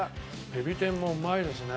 エビ天もうまいですね。